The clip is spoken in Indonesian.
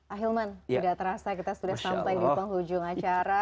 ahilman sudah terasa kita sudah sampai di penghujung acara